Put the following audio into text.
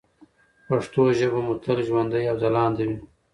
پښتو ژبه مو تل ژوندۍ او ځلانده وي.